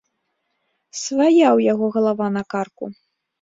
Свая ў яго галава на карку.